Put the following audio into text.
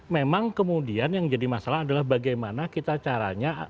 memang kemudian yang jadi masalah adalah bagaimana kita caranya